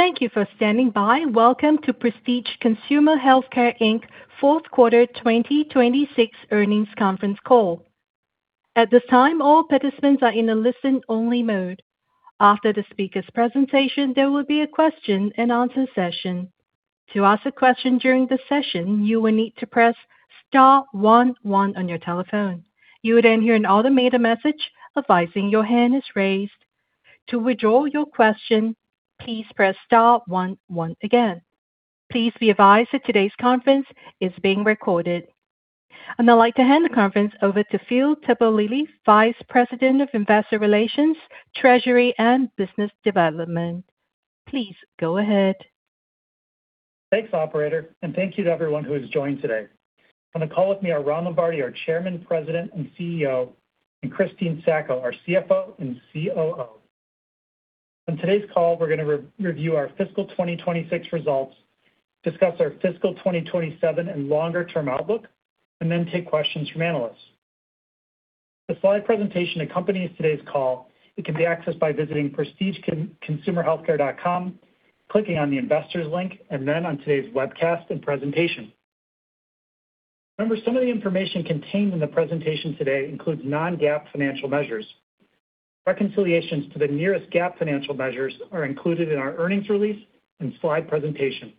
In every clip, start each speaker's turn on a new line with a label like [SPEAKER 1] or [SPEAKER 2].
[SPEAKER 1] Thank you for standing by. Welcome to Prestige Consumer Healthcare Inc's fourth quarter 2026 earnings conference call. At this time, all participants are in a listen-only mode. After the speaker's presentation, there will be a question-and-answer session. To ask a question during the session, you will need to press star one one on your telephone. You would then hear an automated message advising your hand is raised. To withdraw your question, please press star one one again. Please be advised that today's conference is being recorded. I'd like to hand the conference over to Phil Terpolilli, Vice President of Investor Relations, Treasury, and Business Development. Please go ahead.
[SPEAKER 2] Thanks, operator. Thank you to everyone who has joined today. On the call with me are Ron Lombardi, our Chairman, President, and CEO, and Christine Sacco, our CFO and COO. On today's call, we're going to re-review our fiscal 2026 results, discuss our fiscal 2027 and longer-term outlook, then take questions from analysts. The slide presentation accompanies today's call. It can be accessed by visiting prestigeconsumerhealthcare.com, clicking on the Investors link, on today's webcast and presentation. Remember, some of the information contained in the presentation today includes non-GAAP financial measures. Reconciliations to the nearest GAAP financial measures are included in our earnings release and slide presentation.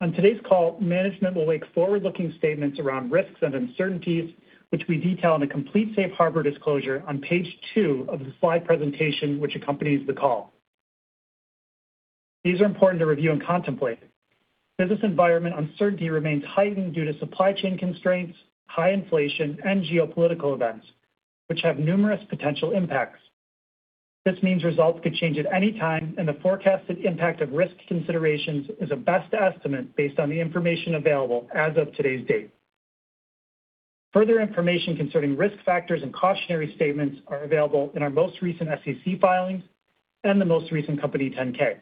[SPEAKER 2] On today's call, management will make forward-looking statements around risks and uncertainties, which we detail in a complete safe harbor disclosure on page two of the slide presentation which accompanies the call. These are important to review and contemplate. Business environment uncertainty remains heightened due to supply chain constraints, high inflation, and geopolitical events, which have numerous potential impacts. This means results could change at any time, and the forecasted impact of risk considerations is a best estimate based on the information available as of today's date. Further information concerning risk factors and cautionary statements are available in our most recent SEC filings and the most recent company Form 10-K.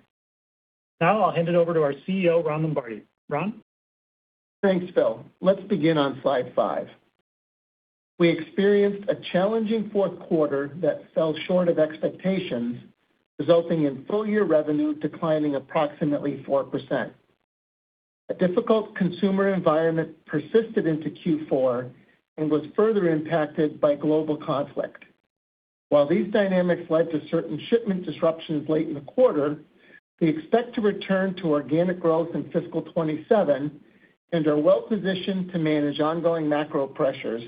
[SPEAKER 2] I'll hand it over to our CEO, Ron Lombardi. Ron?
[SPEAKER 3] Thanks, Phil. Let's begin on slide five. We experienced a challenging fourth quarter that fell short of expectations, resulting in full-year revenue declining approximately 4%. A difficult consumer environment persisted into Q4 and was further impacted by global conflict. While these dynamics led to certain shipment disruptions late in the quarter, we expect to return to organic growth in fiscal 2027 and are well-positioned to manage ongoing macro pressures,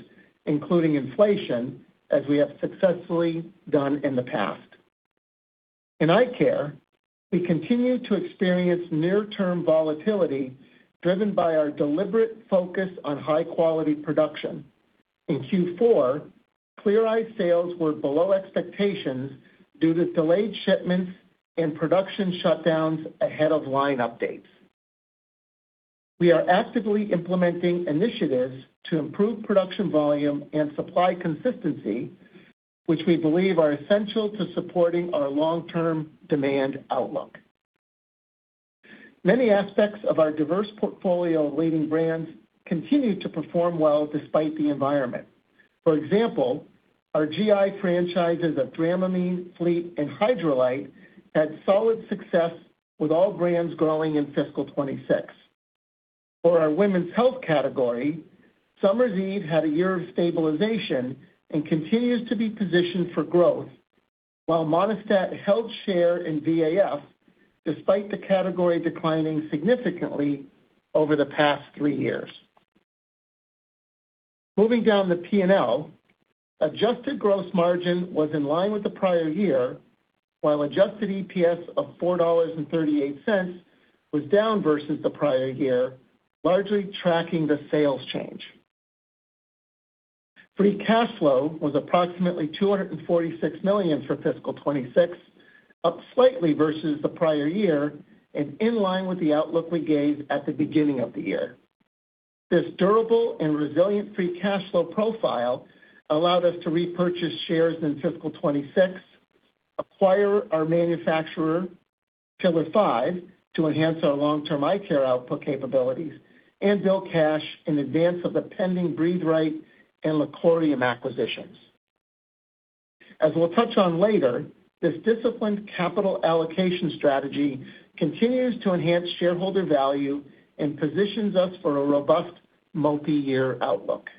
[SPEAKER 3] including inflation, as we have successfully done in the past. In eye care, we continue to experience near-term volatility driven by our deliberate focus on high-quality production. In Q4, Clear Eyes sales were below expectations due to delayed shipments and production shutdowns ahead of line updates. We are actively implementing initiatives to improve production volume and supply consistency, which we believe are essential to supporting our long-term demand outlook. Many aspects of our diverse portfolio of leading brands continued to perform well despite the environment. For example, our GI franchises of Dramamine, Fleet, and Hydralyte had solid success with all brands growing in fiscal 2026. For our women's health category, Summer's Eve had a year of stabilization and continues to be positioned for growth, while Monistat held share in VAF despite the category declining significantly over the past three years. Moving down the P&L, adjusted gross margin was in line with the prior year, while adjusted EPS of $4.38 was down versus the prior year, largely tracking the sales change. Free cash flow was approximately $246 million for fiscal 2026, up slightly versus the prior year and in line with the outlook we gave at the beginning of the year. This durable and resilient free cash flow profile allowed us to repurchase shares in fiscal 2026, acquire our manufacturer, Pillar5 to enhance our long-term eye care output capabilities, and build cash in advance of the pending Breathe Right and LaCorium Health acquisitions. As we'll touch on later, this disciplined capital allocation strategy continues to enhance shareholder value and positions us for a robust multiyear outlook.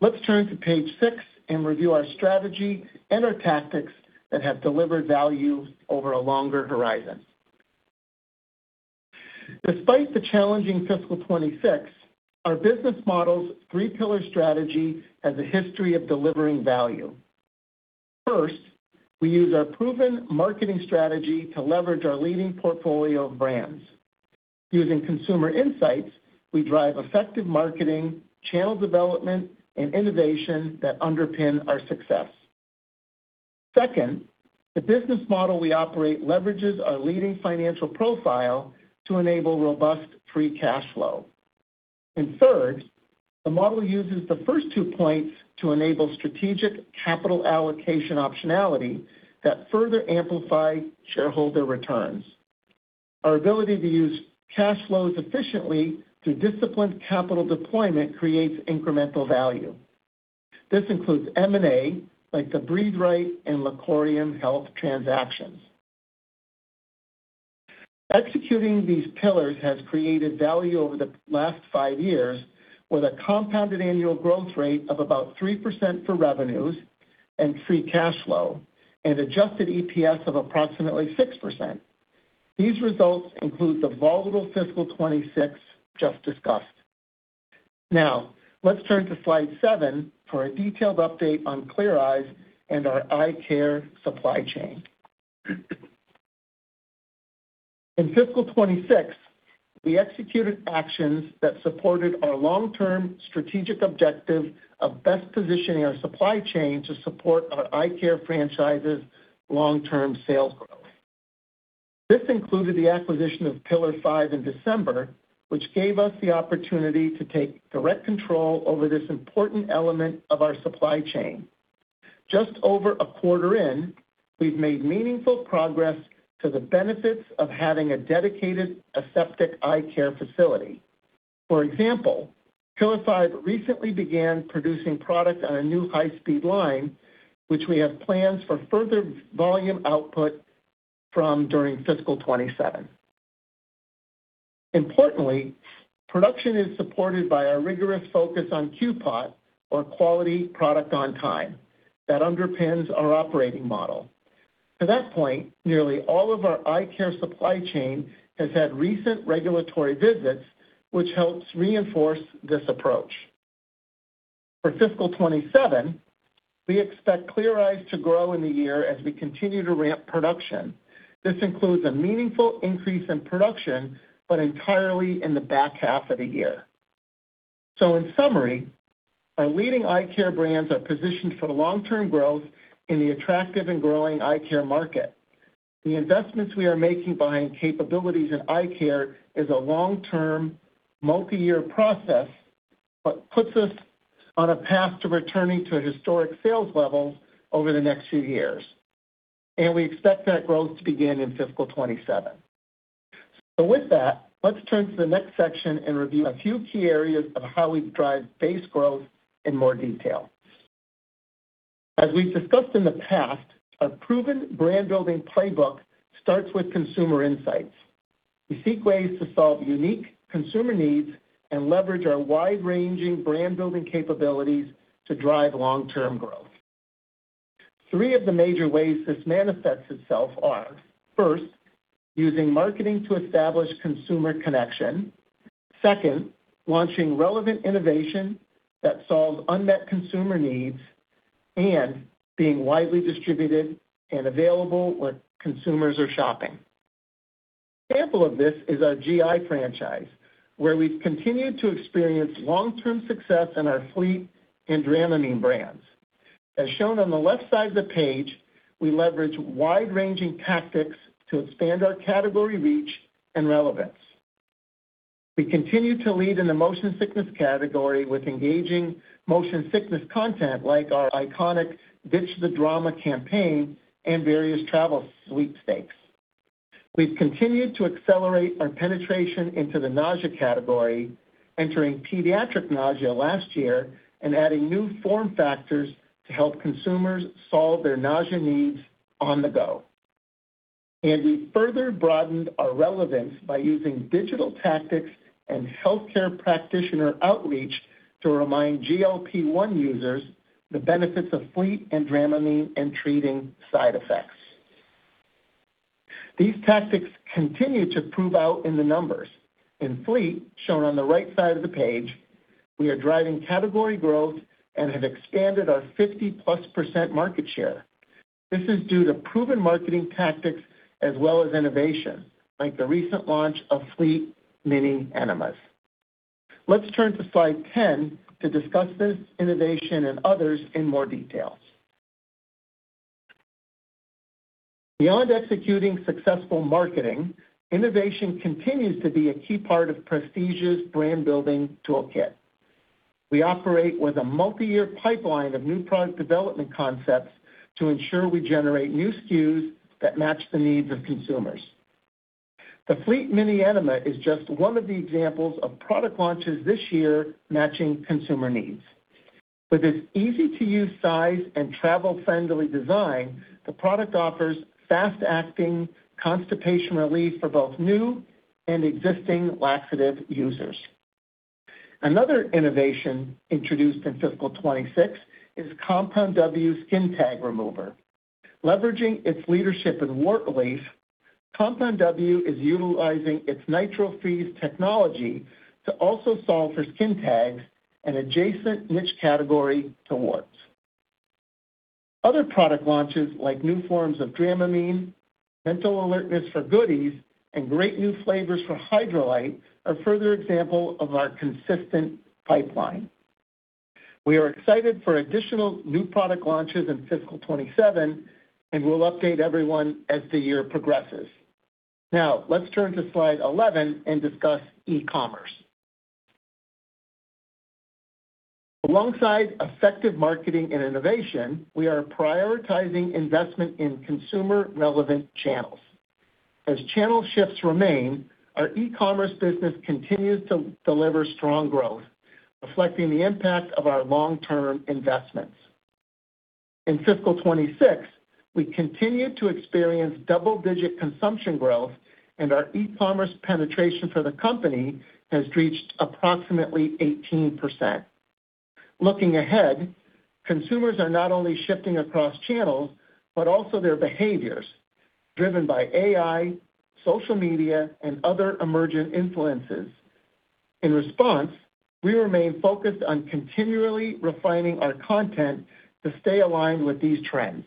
[SPEAKER 3] Let's turn to page six and review our strategy and our tactics that have delivered value over a longer horizon. Despite the challenging fiscal 2026, our business model's three-pillar strategy has a history of delivering value. First, we use our proven marketing strategy to leverage our leading portfolio of brands. Using consumer insights, we drive effective marketing, channel development, and innovation that underpin our success. Second, the business model we operate leverages our leading financial profile to enable robust free cash flow. Third, the model uses the first two points to enable strategic capital allocation optionality that further amplify shareholder returns. Our ability to use cash flows efficiently through disciplined capital deployment creates incremental value. This includes M&A, like the Breathe Right and LaCorium Health transactions. Executing these pillars has created value over the last five years, with a compounded annual growth rate of about 3% for revenues and free cash flow and adjusted EPS of approximately 6%. These results include the volatile fiscal 2026 just discussed. Let's turn to slide seven for a detailed update on Clear Eyes and our eye care supply chain. In fiscal 2026, we executed actions that supported our long-term strategic objective of best positioning our supply chain to support our eye care franchise's long-term sales growth. This included the acquisition of Pillar5 in December, which gave us the opportunity to take direct control over this important element of our supply chain. Just over a quarter in, we've made meaningful progress to the benefits of having a dedicated aseptic eye care facility. For example, Pillar5 recently began producing product on a new high-speed line, which we have plans for further volume output from during fiscal 2027. Importantly, production is supported by our rigorous focus on QPOT, or quality product on time, that underpins our operating model. To that point, nearly all of our eye care supply chain has had recent regulatory visits, which helps reinforce this approach. For fiscal 2027, we expect Clear Eyes to grow in the year as we continue to ramp production. This includes a meaningful increase in production, but entirely in the back half of the year. In summary, our leading eye care brands are positioned for long-term growth in the attractive and growing eye care market. The investments we are making behind capabilities in eye care is a long-term, multi-year process, but puts us on a path to returning to historic sales levels over the next few years, and we expect that growth to begin in fiscal 2027. With that, let's turn to the next section and review a few key areas of how we drive base growth in more detail. As we've discussed in the past, our proven brand-building playbook starts with consumer insights. We seek ways to solve unique consumer needs and leverage our wide-ranging brand-building capabilities to drive long-term growth. Three of the major ways this manifests itself are, first, using marketing to establish consumer connection. Launching relevant innovation that solves unmet consumer needs, and being widely distributed and available where consumers are shopping. Example of this is our GI franchise, where we've continued to experience long-term success in our Fleet and Dramamine brands. As shown on the left side of the page, we leverage wide-ranging tactics to expand our category reach and relevance. We continue to lead in the motion sickness category with engaging motion sickness content like our iconic Ditch the Drama campaign and various travel sweepstakes. We've continued to accelerate our penetration into the nausea category, entering pediatric nausea last year and adding new form factors to help consumers solve their nausea needs on the go. We further broadened our relevance by using digital tactics and healthcare practitioner outreach to remind GLP-1 users the benefits of Fleet and Dramamine in treating side effects. These tactics continue to prove out in the numbers. In Fleet, shown on the right side of the page, we are driving category growth and have expanded our 50%+ market share. This is due to proven marketing tactics as well as innovation, like the recent launch of Fleet Mini Enemas. Let's turn to slide 10 to discuss this innovation and others in more detail. Beyond executing successful marketing, innovation continues to be a key part of Prestige's brand-building toolkit. We operate with a multi-year pipeline of new product development concepts to ensure we generate new SKUs that match the needs of consumers. The Fleet Mini Enema is just one of the examples of product launches this year matching consumer needs. With its easy-to-use size and travel-friendly design, the product offers fast-acting constipation relief for both new and existing laxative users. Another innovation introduced in fiscal 2026 is Compound W Skin Tag Remover. Leveraging its leadership in wart relief, Compound W is utilizing its NitroFreeze technology to also solve for skin tags, an adjacent niche category to warts. Other product launches, like new forms of Dramamine, mental alertness for Goody's, and great new flavors for Hydralyte are further example of our consistent pipeline. We are excited for additional new product launches in fiscal 2027, and we'll update everyone as the year progresses. Now, let's turn to slide 11 and discuss e-commerce. Alongside effective marketing and innovation, we are prioritizing investment in consumer-relevant channels. As channel shifts remain, our e-commerce business continues to deliver strong growth, reflecting the impact of our long-term investments. In fiscal 2026, we continued to experience double-digit consumption growth, and our e-commerce penetration for the company has reached approximately 18%. Looking ahead, consumers are not only shifting across channels, but also their behaviors, driven by AI, social media, and other emergent influences. In response, we remain focused on continually refining our content to stay aligned with these trends.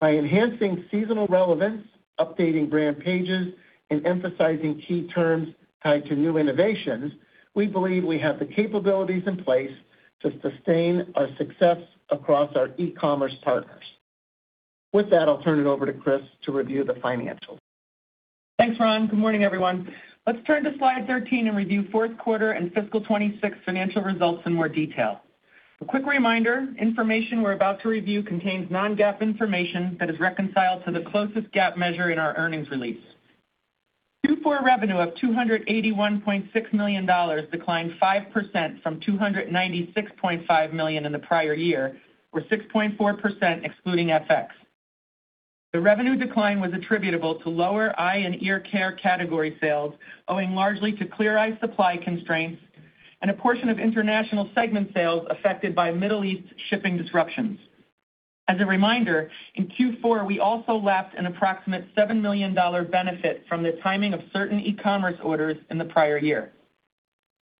[SPEAKER 3] By enhancing seasonal relevance, updating brand pages, and emphasizing key terms tied to new innovations, we believe we have the capabilities in place to sustain our success across our e-commerce partners. With that, I'll turn it over to Chris to review the financials.
[SPEAKER 4] Thanks, Ron. Good morning, everyone. Let's turn to slide 13 and review fourth quarter and fiscal 2026 financial results in more detail. A quick reminder, information we're about to review contains non-GAAP information that is reconciled to the closest GAAP measure in our earnings release. Q4 revenue of $281.6 million declined 5% from $296.5 million in the prior year, or 6.4% excluding FX. The revenue decline was attributable to lower eye and ear care category sales, owing largely to Clear Eyes supply constraints and a portion of international segment sales affected by Middle East shipping disruptions. As a reminder, in Q4, we also lapped an approximate $7 million benefit from the timing of certain e-commerce orders in the prior year.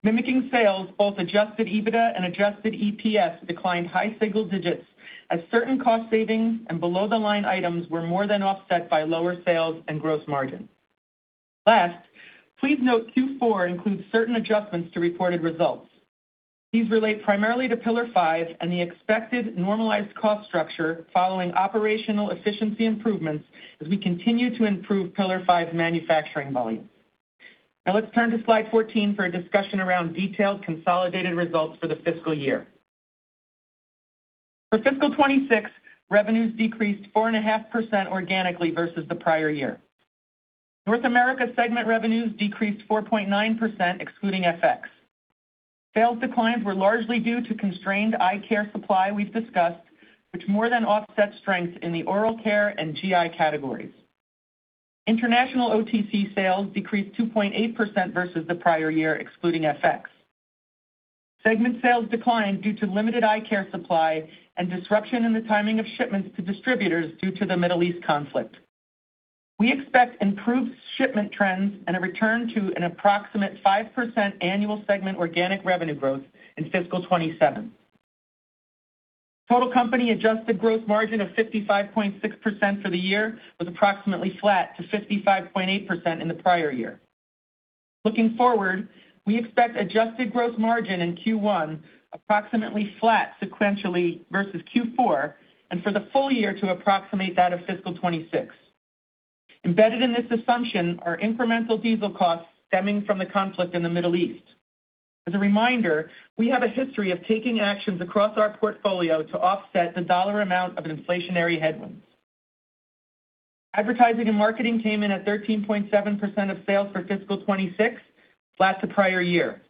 [SPEAKER 4] Mimicking sales, both adjusted EBITDA and adjusted EPS declined high single digits as certain cost savings and below-the-line items were more than offset by lower sales and gross margin. Last, please note Q4 includes certain adjustments to reported results. These relate primarily to Pillar5 and the expected normalized cost structure following operational efficiency improvements as we continue to improve Pillar5 manufacturing volume. Now let's turn to slide 14 for a discussion around detailed consolidated results for the fiscal year. For fiscal 2026, revenues decreased 4.5% organically versus the prior year. North America segment revenues decreased 4.9% excluding FX. Sales declines were largely due to constrained eye care supply we've discussed, which more than offset strength in the oral care and GI categories. International OTC sales decreased 2.8% versus the prior year, excluding FX. Segment sales declined due to limited eye care supply and disruption in the timing of shipments to distributors due to the Middle East conflict. We expect improved shipment trends and a return to an approximate 5% annual segment organic revenue growth in fiscal 2027. Total company adjusted gross margin of 55.6% for the year was approximately flat to 55.8% in the prior year. Looking forward, we expect adjusted gross margin in Q1 approximately flat sequentially versus Q4, and for the full year to approximate that of fiscal 2026. Embedded in this assumption are incremental diesel costs stemming from the conflict in the Middle East. As a reminder, we have a history of taking actions across our portfolio to offset the dollar amount of inflationary headwinds. Advertising and marketing came in at 13.7% of sales for fiscal 2026, flat to prior year.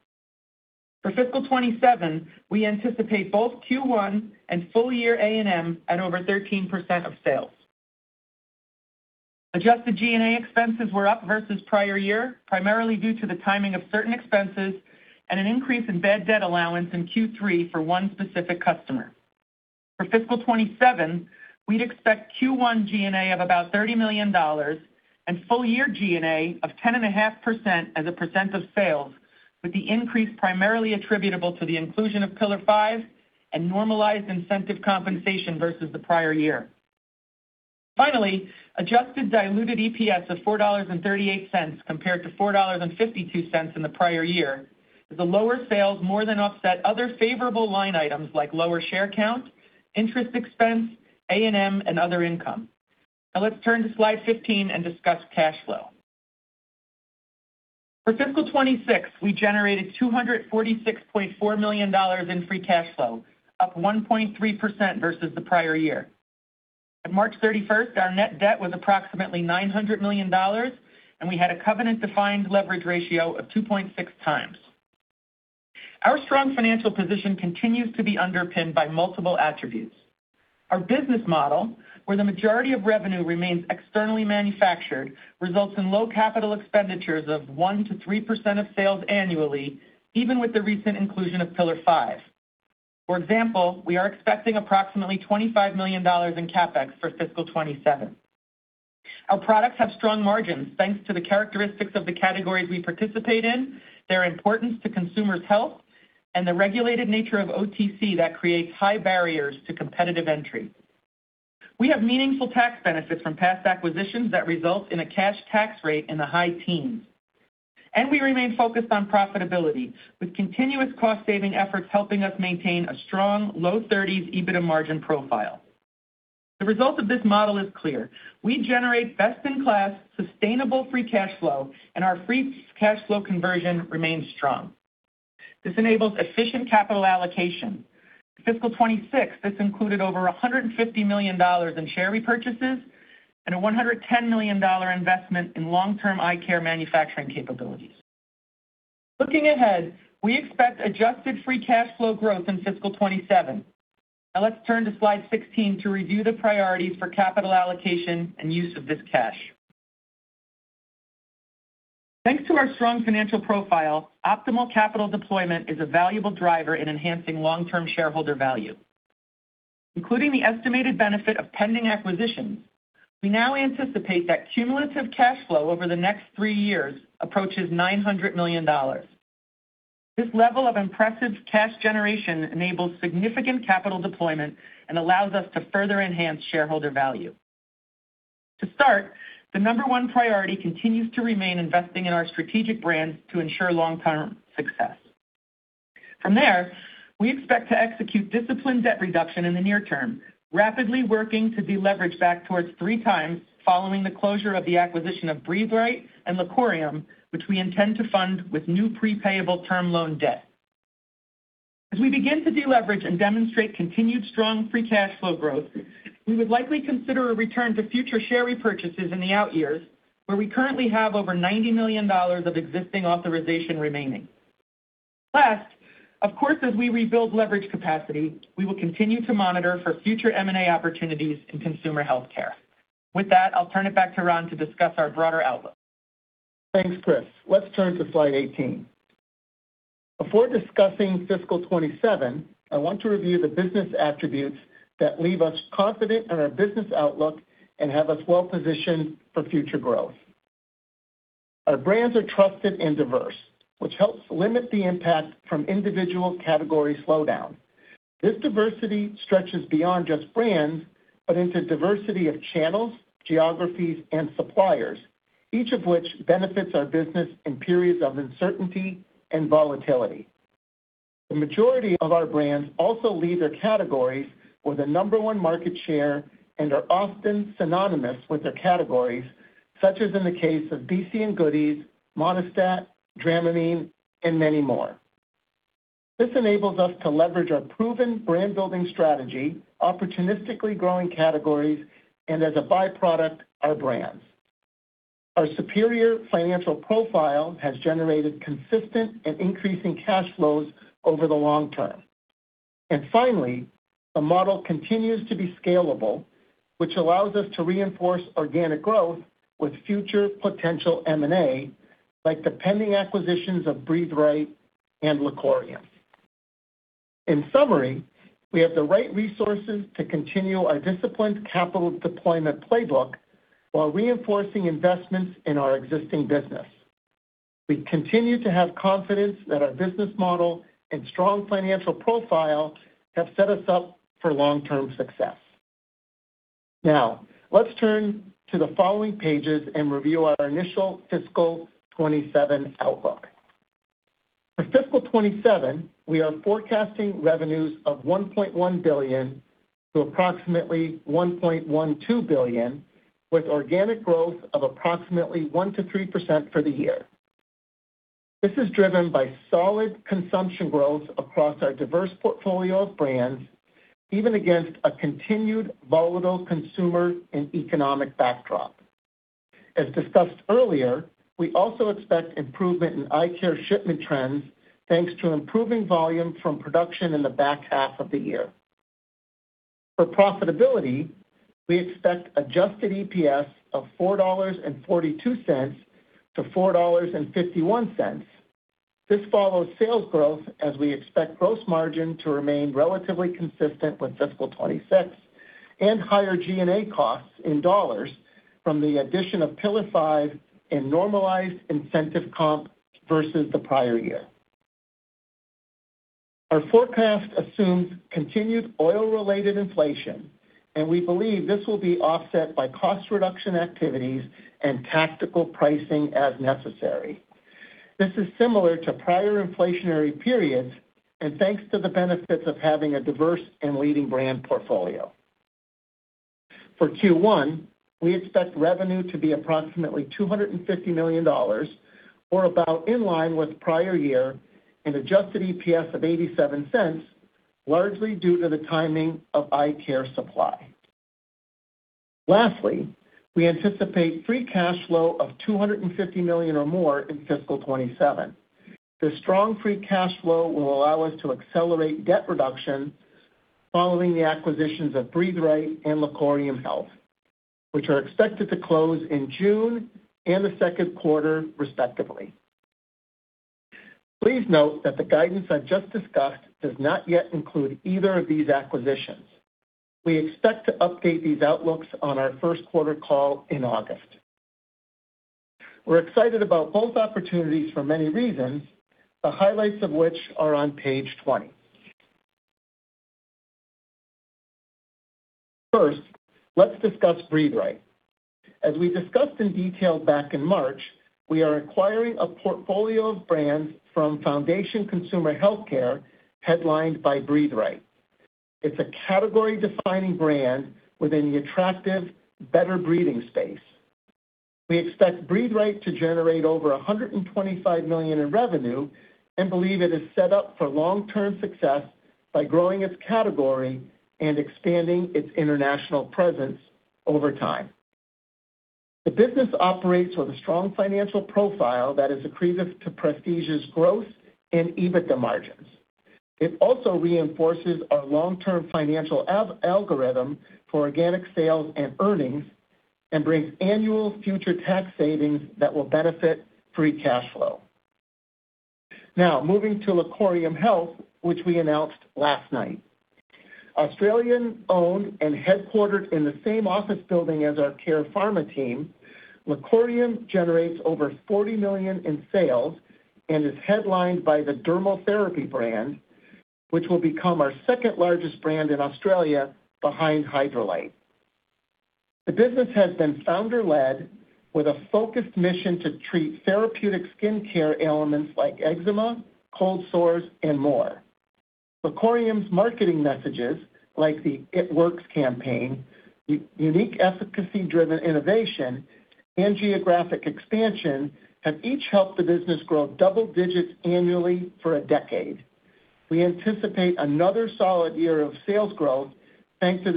[SPEAKER 4] For fiscal 2027, we anticipate both Q1 and full year A&M at over 13% of sales. Adjusted G&A expenses were up versus prior year, primarily due to the timing of certain expenses and an increase in bad debt allowance in Q3 for one specific customer. For fiscal 2027, we'd expect Q1 G&A of about $30 million and full year G&A of 10.5% as a percent of sales, with the increase primarily attributable to the inclusion of Pillar5 and normalized incentive compensation versus the prior year. Adjusted diluted EPS of $4.38 compared to $4.52 in the prior year, as the lower sales more than offset other favorable line items like lower share count, interest expense, A&M, and other income. Let's turn to slide 15 and discuss cash flow. For fiscal 2026, we generated $246.4 million in free cash flow, up 1.3% versus the prior year. At March 31st, our net debt was approximately $900 million, and we had a covenant-defined leverage ratio of 2.6x. Our strong financial position continues to be underpinned by multiple attributes. Our business model, where the majority of revenue remains externally manufactured, results in low capital expenditures of 1%-3% of sales annually, even with the recent inclusion of Pillar5. For example, we are expecting approximately $25 million in CapEx for fiscal 2027. Our products have strong margins, thanks to the characteristics of the categories we participate in, their importance to consumers' health, and the regulated nature of OTC that creates high barriers to competitive entry. We have meaningful tax benefits from past acquisitions that result in a cash tax rate in the high teens. We remain focused on profitability, with continuous cost-saving efforts helping us maintain a strong low-30s EBITDA margin profile. The result of this model is clear. We generate best-in-class sustainable free cash flow, and our free cash flow conversion remains strong. This enables efficient capital allocation. Fiscal 2026, this included over $150 million in share repurchases and a $110 million investment in long-term eye care manufacturing capabilities. Looking ahead, we expect adjusted free cash flow growth in fiscal 2027. Now let's turn to slide 16 to review the priorities for capital allocation and use of this cash. Thanks to our strong financial profile, optimal capital deployment is a valuable driver in enhancing long-term shareholder value. Including the estimated benefit of pending acquisitions, we now anticipate that cumulative cash flow over the next three years approaches $900 million. This level of impressive cash generation enables significant capital deployment and allows us to further enhance shareholder value. To start, the number one priority continues to remain investing in our strategic brands to ensure long-term success. From there, we expect to execute disciplined debt reduction in the near term, rapidly working to deleverage back towards 3x following the closure of the acquisition of Breathe Right and LaCorium, which we intend to fund with new pre-payable term loan debt. As we begin to deleverage and demonstrate continued strong free cash flow growth, we would likely consider a return to future share repurchases in the out years, where we currently have over $90 million of existing authorization remaining. Last, of course, as we rebuild leverage capacity, we will continue to monitor for future M&A opportunities in consumer healthcare. With that, I'll turn it back to Ron to discuss our broader outlook.
[SPEAKER 3] Thanks, Chris. Let's turn to slide 18. Before discussing fiscal 2027, I want to review the business attributes that leave us confident in our business outlook and have us well-positioned for future growth. Our brands are trusted and diverse, which helps limit the impact from individual category slowdown. This diversity stretches beyond just brands, but into diversity of channels, geographies, and suppliers, each of which benefits our business in periods of uncertainty and volatility. The majority of our brands also lead their categories with a number one market share and are often synonymous with their categories, such as in the case of BC and Goody's, Monistat, Dramamine, and many more. This enables us to leverage our proven brand-building strategy, opportunistically growing categories, and as a by-product, our brands. Our superior financial profile has generated consistent and increasing cash flows over the long term. Finally, the model continues to be scalable, which allows us to reinforce organic growth with future potential M&A, like the pending acquisitions of Breathe Right and LaCorium. In summary, we have the right resources to continue our disciplined capital deployment playbook while reinforcing investments in our existing business. We continue to have confidence that our business model and strong financial profile have set us up for long-term success. Let's turn to the following pages and review our initial fiscal 2027 outlook. For fiscal 2027, we are forecasting revenues of $1.1 billion to approximately $1.12 billion, with organic growth of approximately 1%-3% for the year. This is driven by solid consumption growth across our diverse portfolio of brands, even against a continued volatile consumer and economic backdrop. As discussed earlier, we also expect improvement in eye care shipment trends, thanks to improving volume from production in the back half of the year. For profitability, we expect adjusted EPS of $4.42-$4.51. This follows sales growth as we expect gross margin to remain relatively consistent with fiscal 2026 and higher G&A costs in dollars from the addition of Pillar5 and normalized incentive comp versus the prior year. Our forecast assumes continued oil-related inflation, we believe this will be offset by cost reduction activities and tactical pricing as necessary. This is similar to prior inflationary periods, thanks to the benefits of having a diverse and leading brand portfolio. For Q1, we expect revenue to be approximately $250 million or about in line with prior year and adjusted EPS of $0.87, largely due to the timing of eye care supply. Lastly, we anticipate free cash flow of $250 million or more in fiscal 2027. The strong free cash flow will allow us to accelerate debt reduction following the acquisitions of Breathe Right and LaCorium, which are expected to close in June and the second quarter, respectively. Please note that the guidance I just discussed does not yet include either of these acquisitions. We expect to update these outlooks on our first quarter call in August. We're excited about both opportunities for many reasons, the highlights of which are on page 20. First, let's discuss Breathe Right. As we discussed in detail back in March, we are acquiring a portfolio of brands from Foundation Consumer Healthcare, headlined by Breathe Right. It's a category-defining brand within the attractive better breathing space. We expect Breathe Right to generate over $125 million in revenue and believe it is set up for long-term success by growing its category and expanding its international presence over time. The business operates with a strong financial profile that is accretive to Prestige's growth and EBITDA margins. It also reinforces our long-term financial algorithm for organic sales and earnings and brings annual future tax savings that will benefit free cash flow. Moving to LaCorium Health, which we announced last night. Australian-owned and headquartered in the same office building as our Care Pharmaceuticals team, LaCorium Health generates over $40 million in sales and is headlined by the Dermal Therapy brand, which will become our second-largest brand in Australia behind Hydralyte. The business has been founder-led with a focused mission to treat therapeutic skin care ailments like eczema, cold sores, and more. LaCorium's marketing messages like the It Works campaign, unique efficacy-driven innovation, and geographic expansion have each helped the business grow double digits annually for a decade. We anticipate another solid year of sales growth, thanks to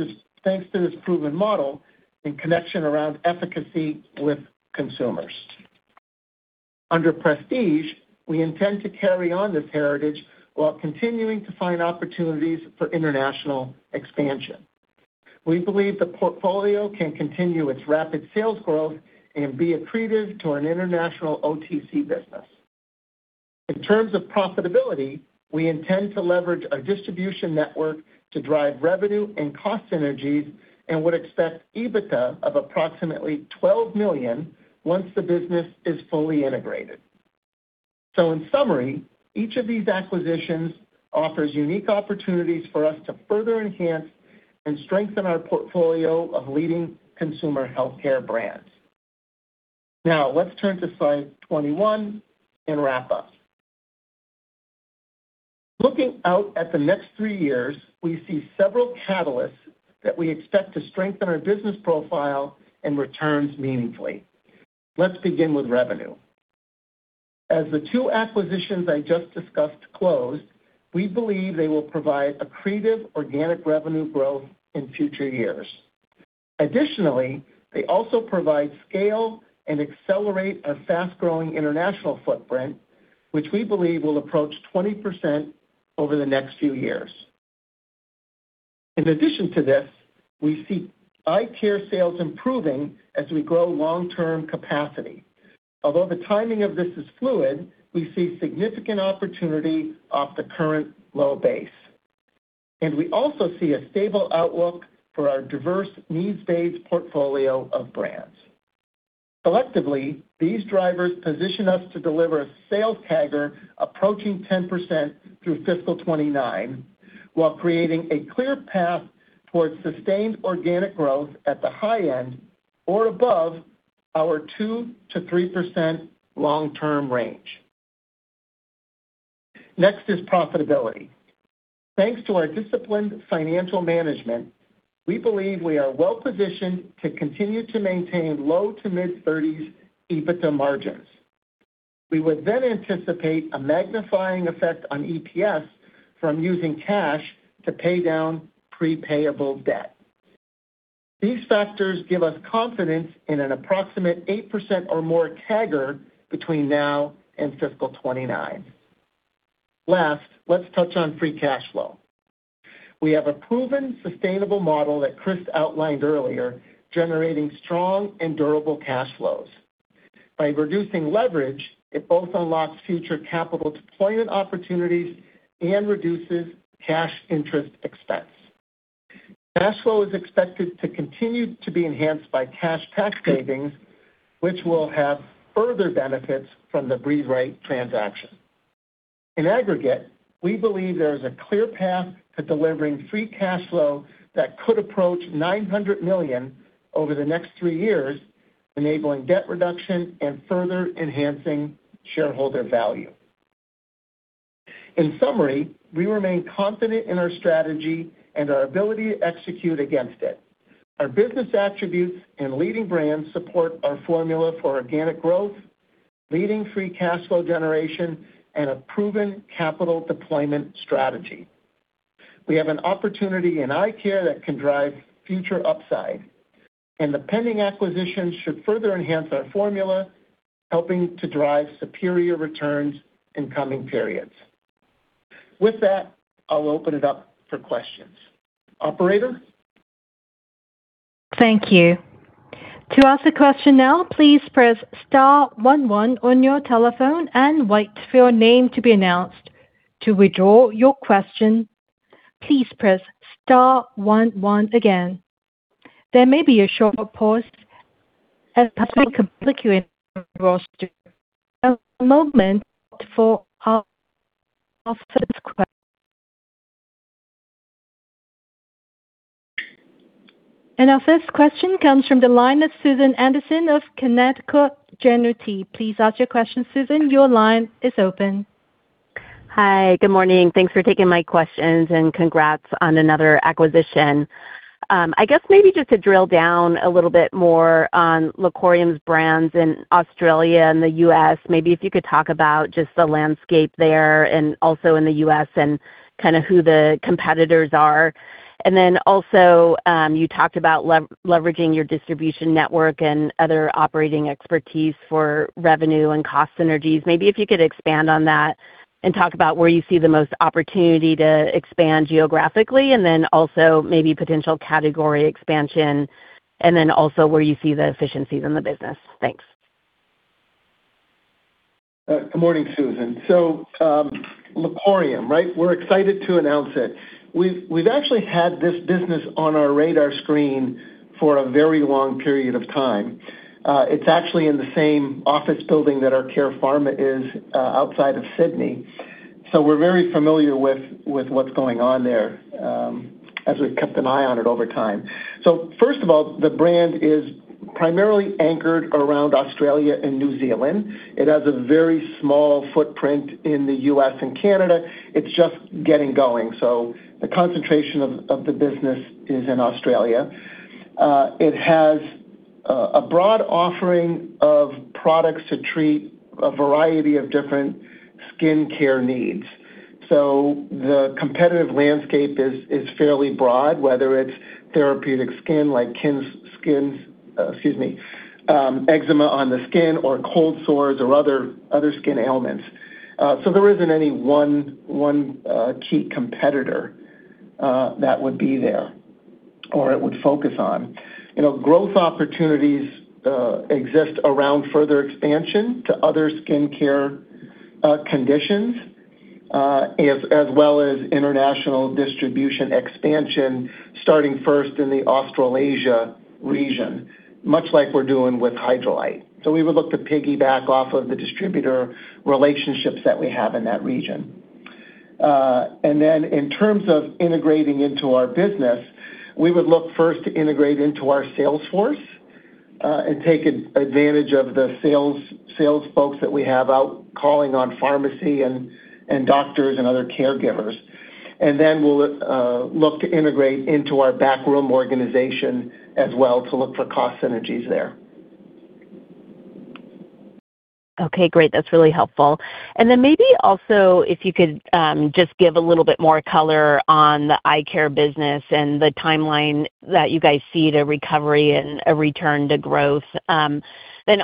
[SPEAKER 3] this proven model in connection around efficacy with consumers. Under Prestige, we intend to carry on this heritage while continuing to find opportunities for international expansion. We believe the portfolio can continue its rapid sales growth and be accretive to an international OTC business. In terms of profitability, we intend to leverage our distribution network to drive revenue and cost synergies and would expect EBITDA of approximately $12 million once the business is fully integrated. In summary, each of these acquisitions offers unique opportunities for us to further enhance and strengthen our portfolio of leading consumer healthcare brands. Let's turn to slide 21 and wrap up. Looking out at the next three years, we see several catalysts that we expect to strengthen our business profile and returns meaningfully. Let's begin with revenue. As the two acquisitions I just discussed closed, we believe they will provide accretive organic revenue growth in future years. Additionally, they also provide scale and accelerate a fast-growing international footprint, which we believe will approach 20% over the next few years. In addition to this, we see eye care sales improving as we grow long-term capacity. Although the timing of this is fluid, we see significant opportunity off the current low base. We also see a stable outlook for our diverse needs-based portfolio of brands. Collectively, these drivers position us to deliver a sales CAGR approaching 10% through fiscal 2029, while creating a clear path towards sustained organic growth at the high end or above our 2%-3% long-term range. Next is profitability. Thanks to our disciplined financial management, we believe we are well-positioned to continue to maintain low to mid-30s EBITDA margins. We would then anticipate a magnifying effect on EPS from using cash to pay down pre-payable debt. These factors give us confidence in an approximate 8% or more CAGR between now and fiscal 2029. Last, let's touch on free cash flow. We have a proven sustainable model that Chris outlined earlier, generating strong and durable cash flows. By reducing leverage, it both unlocks future capital deployment opportunities and reduces cash interest expense. Cash flow is expected to continue to be enhanced by cash tax savings, which will have further benefits from the Breathe Right transaction. In aggregate, we believe there is a clear path to delivering free cash flow that could approach $900 million over the next three years, enabling debt reduction and further enhancing shareholder value. In summary, we remain confident in our strategy and our ability to execute against it. Our business attributes and leading brands support our formula for organic growth, leading free cash flow generation, and a proven capital deployment strategy. We have an opportunity in eye care that can drive future upside, the pending acquisitions should further enhance our formula, helping to drive superior returns in coming periods. With that, I'll open it up for questions. Operator?
[SPEAKER 1] Thank you. To ask a question now, please press star one one on your telephone and wait for your name to be announced. To withdraw your question, please press star one one again. There maybe a short pause [inaudible] Our first question comes from the line of Susan Anderson of Canaccord Genuity. Please ask your question. Susan, your line is open.
[SPEAKER 5] Hi, good morning. Thanks for taking my questions, and congrats on another acquisition. I guess maybe just to drill down a little bit more on LaCorium brands in Australia and the U.S., maybe if you could talk about just the landscape there and also in the U.S. and kinda who the competitors are. Then also, you talked about leveraging your distribution network and other operating expertise for revenue and cost synergies. Maybe if you could expand on that and talk about where you see the most opportunity to expand geographically, and then also maybe potential category expansion, and then also where you see the efficiencies in the business. Thanks.
[SPEAKER 3] Good morning, Susan. LaCorium, right? We've actually had this business on our radar screen for a very long period of time. It's actually in the same office building that our Care Pharmaceuticals is outside of Sydney. We're very familiar with what's going on there as we've kept an eye on it over time. First of all, the brand is primarily anchored around Australia and New Zealand. It has a very small footprint in the U.S. and Canada. It's just getting going. The concentration of the business is in Australia. It has a broad offering of products to treat a variety of different skincare needs. The competitive landscape is fairly broad, whether it's therapeutic skin like skin. Excuse me. Eczema on the skin or cold sores or other skin ailments. There isn't any one key competitor that would be there or it would focus on. You know, growth opportunities exist around further expansion to other skincare conditions as well as international distribution expansion starting first in the Australasia region, much like we're doing with Hydralyte. We would look to piggyback off of the distributor relationships that we have in that region. Then in terms of integrating into our business, we would look first to integrate into our sales force and take advantage of the sales folks that we have out calling on pharmacy and doctors and other caregivers. Then we'll look to integrate into our backroom organization as well to look for cost synergies there.
[SPEAKER 5] Okay, great. That's really helpful. Maybe also if you could just give a little bit more color on the Eye Care business and the timeline that you guys see the recovery and a return to growth.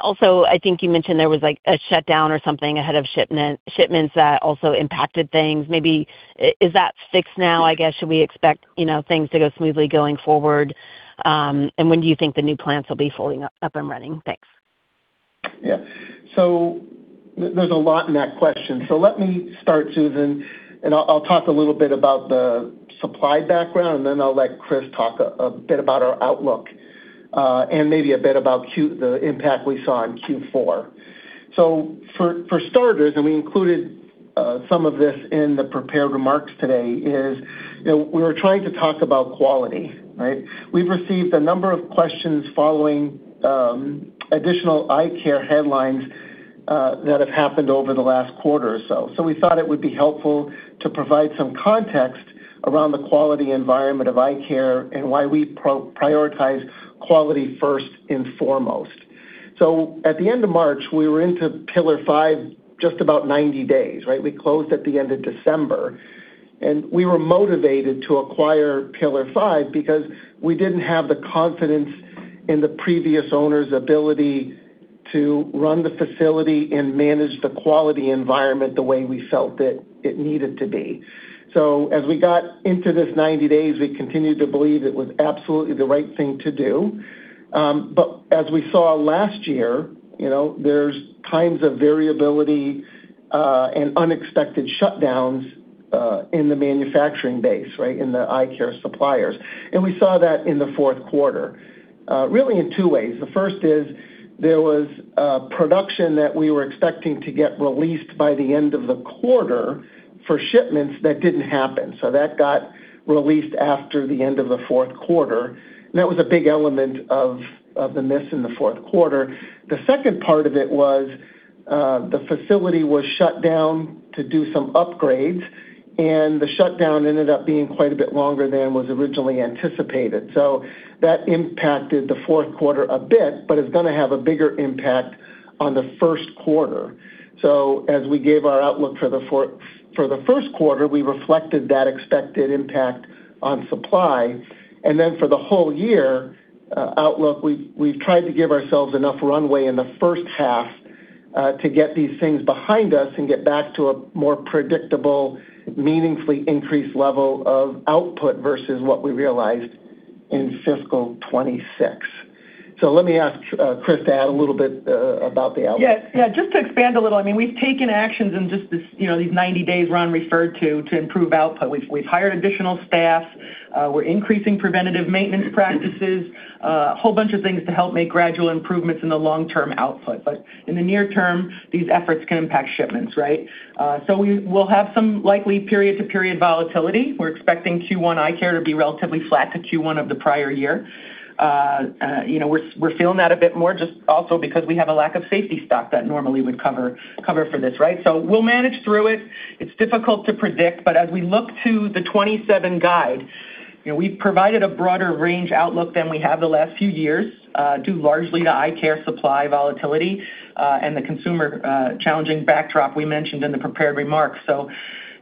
[SPEAKER 5] Also, I think you mentioned there was, like, a shutdown or something ahead of shipments that also impacted things. Maybe, is that fixed now, I guess? Should we expect, you know, things to go smoothly going forward? When do you think the new plants will be fully up and running? Thanks.
[SPEAKER 3] Yeah. There's a lot in that question. Let me start, Susan, and I'll talk a little bit about the supply background, and then I'll let Chris talk a bit about our outlook, and maybe a bit about the impact we saw in Q4. For starters, and we included some of this in the prepared remarks today, is, you know, we were trying to talk about quality, right? We've received a number of questions following additional eye care headlines that have happened over the last quarter or so. We thought it would be helpful to provide some context around the quality environment of eye care and why we prioritize quality first and foremost. At the end of March, we were into Pillar5 just about 90 days, right? We closed at the end of December, we were motivated to acquire Pillar5 because we didn't have the confidence in the previous owner's ability to run the facility and manage the quality environment the way we felt it needed to be. As we got into this 90 days, we continued to believe it was absolutely the right thing to do. As we saw last year, there's times of variability and unexpected shutdowns in the manufacturing base, right? In the eye care suppliers. We saw that in the fourth quarter, really in two ways. The first is there was production that we were expecting to get released by the end of the quarter for shipments that didn't happen. That got released after the end of the fourth quarter. That was a big element of the miss in the fourth quarter. The second part of it was, the facility was shut down to do some upgrades, and the shutdown ended up being quite a bit longer than was originally anticipated. That impacted the fourth quarter a bit, but it's going to have a bigger impact on the first quarter. As we gave our outlook for the first quarter, we reflected that expected impact on supply. For the whole year outlook, we've tried to give ourselves enough runway in the first half to get these things behind us and get back to a more predictable, meaningfully increased level of output versus what we realized in fiscal 2026. Let me ask Chris to add a little bit about the outlook.
[SPEAKER 4] Yeah. Yeah. Just to expand a little, I mean, we've taken actions in just this, you know, these 90 days Ron referred to improve output. We've hired additional staff. We're increasing preventative maintenance practices, a whole bunch of things to help make gradual improvements in the long-term output. In the near term, these efforts can impact shipments, right? We will have some likely period-to-period volatility. We're expecting Q1 eye care to be relatively flat to Q1 of the prior year. You know, we're feeling that a bit more just also because we have a lack of safety stock that normally would cover for this, right? We'll manage through it. It's difficult to predict, but as we look to the 2027 guide. You know, we've provided a broader range outlook than we have the last few years, due largely to eye care supply volatility and the consumer challenging backdrop we mentioned in the prepared remarks.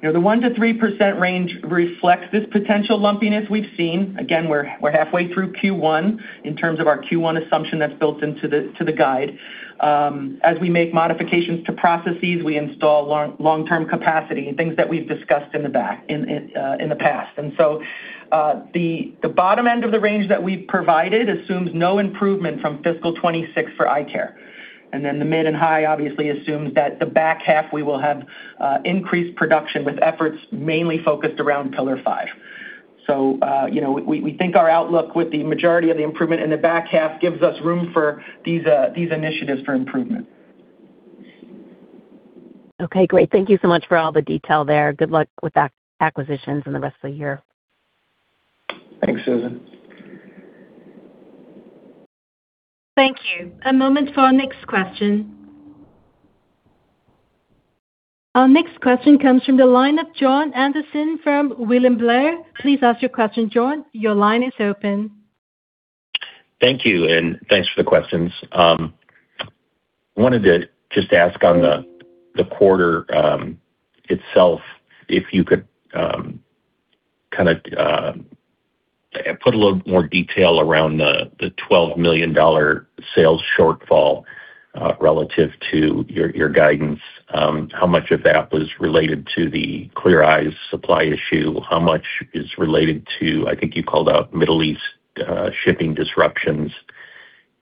[SPEAKER 4] You know, the 1%-3% range reflects this potential lumpiness we've seen. Again, we're halfway through Q1 in terms of our Q1 assumption that's built into the guide. As we make modifications to processes, we install long-term capacity, things that we've discussed in the past. The bottom end of the range that we've provided assumes no improvement from fiscal 2026 for eye care. The mid and high obviously assumes that the back half we will have increased production with efforts mainly focused around Pillar5. You know, we think our outlook with the majority of the improvement in the back half gives us room for these initiatives for improvement.
[SPEAKER 5] Okay, great. Thank you so much for all the detail there. Good luck with acquisitions and the rest of the year.
[SPEAKER 3] Thanks, Susan.
[SPEAKER 1] Thank you. A moment for our next question. Our next question comes from the line of Jon Andersen from William Blair. Please ask your question, Jon.
[SPEAKER 6] Thank you, and thanks for the questions. Wanted to just ask on the quarter itself, if you could kind of put a little more detail around the $12 million sales shortfall relative to your guidance. How much of that was related to the Clear Eyes supply issue? How much is related to, I think you called out Middle East shipping disruptions.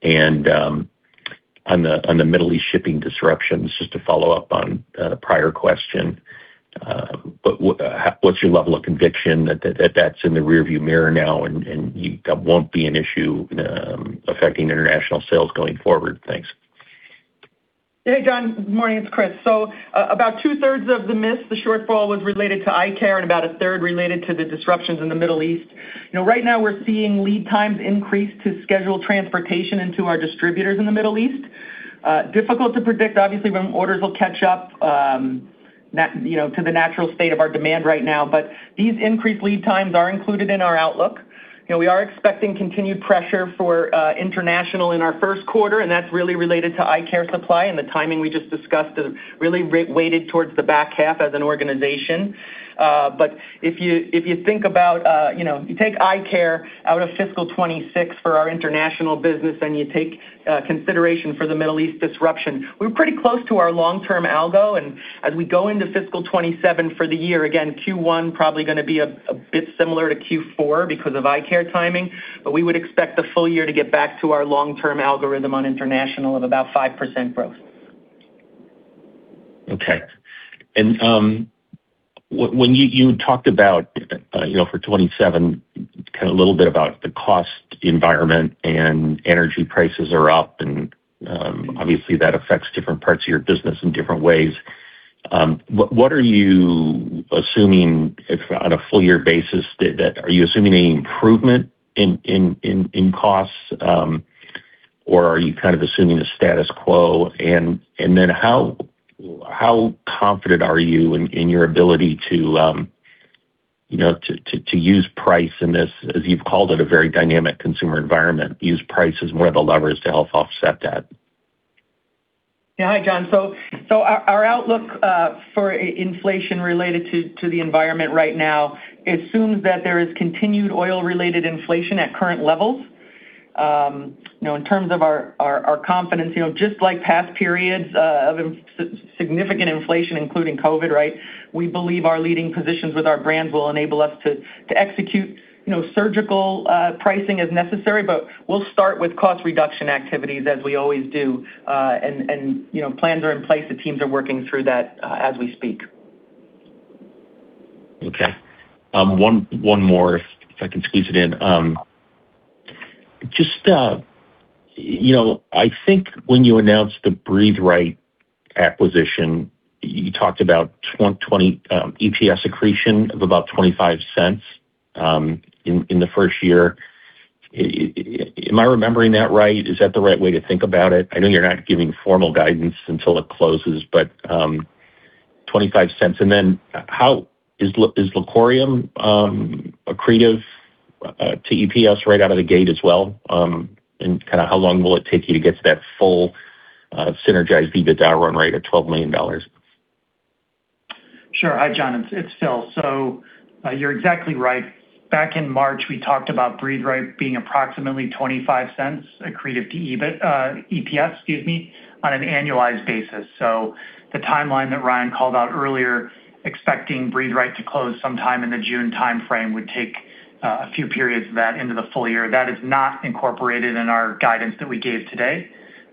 [SPEAKER 6] On the Middle East shipping disruptions, just to follow up on the prior question. What's your level of conviction that that's in the rearview mirror now and that won't be an issue affecting international sales going forward? Thanks.
[SPEAKER 4] Hey, Jon. Morning, it's Chris. About 2/3 of the miss, the shortfall was related to eye care and about a third related to the disruptions in the Middle East. You know, right now we're seeing lead times increase to scheduled transportation into our distributors in the Middle East. Difficult to predict obviously when orders will catch up, you know, to the natural state of our demand right now. These increased lead times are included in our outlook. You know, we are expecting continued pressure for international in our first quarter, and that's really related to eye care supply and the timing we just discussed that really weighted towards the back half as an organization. If you, if you think about, you know, you take eye care out of fiscal 2026 for our international business and you take consideration for the Middle East disruption, we're pretty close to our long-term algo. As we go into fiscal 2027 for the year, again, Q1 probably gonna be a bit similar to Q4 because of eye care timing. We would expect the full year to get back to our long-term algorithm on international of about 5% growth.
[SPEAKER 6] Okay. when you talked about, you know, for 2027, kinda a little bit about the cost environment and energy prices are up, obviously that affects different parts of your business in different ways. What are you assuming if on a full year basis are you assuming any improvement in costs? Or are you kind of assuming the status quo? Then how confident are you in your ability to, you know, to use price in this, as you've called it, a very dynamic consumer environment, use price as one of the levers to help offset that?
[SPEAKER 4] Hi, Jon. Our outlook for inflation related to the environment right now assumes that there is continued oil-related inflation at current levels. You know, in terms of our confidence, you know, just like past periods of significant inflation, including COVID, right? We believe our leading positions with our brands will enable us to execute, you know, surgical pricing as necessary. We'll start with cost reduction activities as we always do. You know, plans are in place. The teams are working through that as we speak.
[SPEAKER 6] Okay. One more if I can squeeze it in. You know, I think when you announced the Breathe Right acquisition, you talked about 2020 EPS accretion of about $0.25 in the first year. Am I remembering that right? Is that the right way to think about it? I know you're not giving formal guidance until it closes, but $0.25. Then how is LaCorium accretive to EPS right out of the gate as well? Kinda how long will it take you to get to that full synergized EBITDA run rate of $12 million?
[SPEAKER 2] Sure. Hi, Jon. It's Phil Terpolilli. You're exactly right. Back in March, we talked about Breathe Right being approximately $0.25 accretive to EBIT, EPS, excuse me, on an annualized basis. The timeline that Ron called out earlier, expecting Breathe Right to close sometime in the June timeframe, would take a few periods of that into the full year. That is not incorporated in our guidance that we gave today.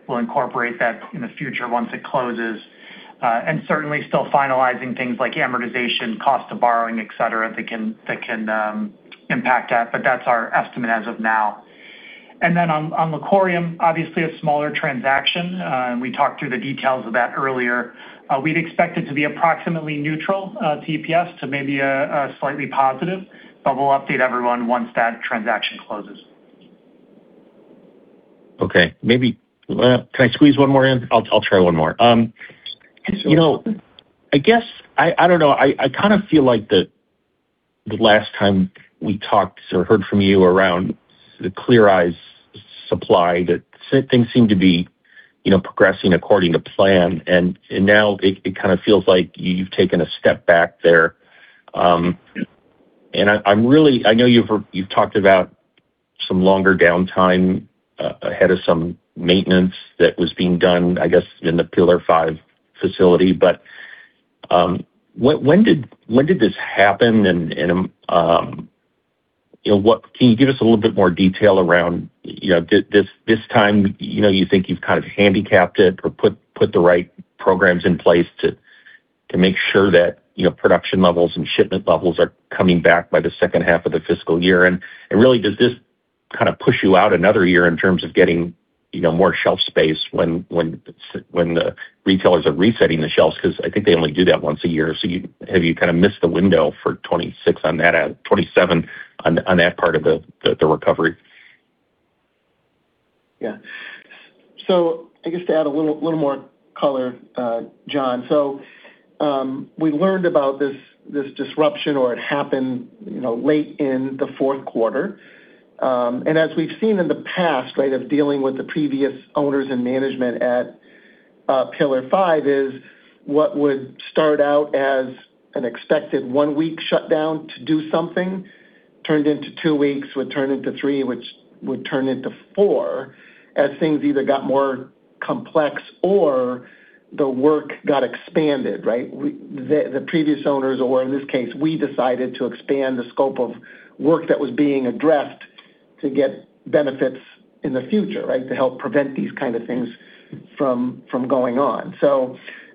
[SPEAKER 2] We'll incorporate that in the future once it closes. Certainly still finalizing things like amortization, cost of borrowing, etc, that can impact that. That's our estimate as of now. On LaCorium, obviously a smaller transaction, and we talked through the details of that earlier. We'd expect it to be approximately neutral to EPS, to maybe slightly positive. We'll update everyone once that transaction closes.
[SPEAKER 6] Okay. Maybe, well, can I squeeze one more in? I'll try one more. You know, I guess, I don't know, I kinda feel like the last time we talked or heard from you around the Clear Eyes supply that things seem to be, you know, progressing according to plan. Now it kinda feels like you've taken a step back there. I know you've talked about some longer downtime ahead of some maintenance that was being done, I guess, in the Pillar5 facility. When did this happen? Can you give us a little bit more detail around, you know, this time, you know, you think you've kind of handicapped it or put the right programs in place to make sure that, you know, production levels and shipment levels are coming back by the second half of the fiscal year? Really does this kinda push you out another year in terms of getting, you know, more shelf space when the retailers are resetting the shelves? 'Cause I think they only do that once a year. Have you kinda missed the window for 2026 on that, 2027 on that part of the recovery?
[SPEAKER 3] Yeah. I guess to add a little more color, Jon. We learned about this disruption, or it happened, you know, late in the fourth quarter. As we've seen in the past, right, of dealing with the previous owners and management at Pillar5, is what would start out as an expected one-week shutdown to do something turned into two weeks, would turn into three, which would turn into four as things either got more complex or the work got expanded, right? The previous owners, or in this case, we decided to expand the scope of work that was being addressed to get benefits in the future, right? To help prevent these kind of things from going on.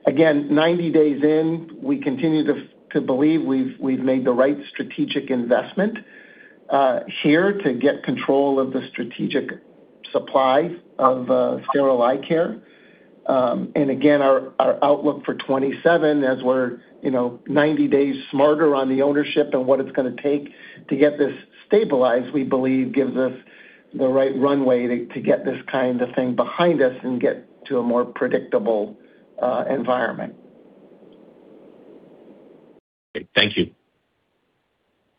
[SPEAKER 3] Again, 90 days in, we continue to believe we've made the right strategic investment here to get control of the strategic supply of sterile eye care. Again, our outlook for 2027, as we're, you know, 90 days smarter on the ownership and what it's gonna take to get this stabilized, we believe gives us the right runway to get this kind of thing behind us and get to a more predictable environment.
[SPEAKER 6] Thank you.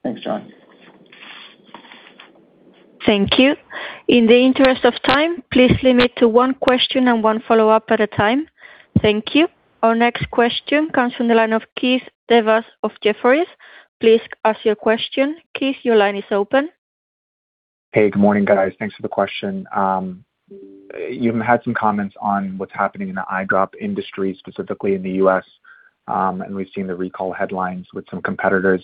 [SPEAKER 3] Thanks, Jon.
[SPEAKER 1] Thank you. In the interest of time, please limit to one question and one follow-up at a time. Thank you. Our next question comes from the line of Keith Devas of Jefferies. Please ask your question. Keith, your line is open.
[SPEAKER 7] Hey, good morning, guys. Thanks for the question. You had some comments on what's happening in the eye drop industry, specifically in the U.S., and we've seen the recall headlines with some competitors.